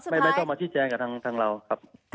ไม่ต้องมาชี้แจงกับทางเราครับ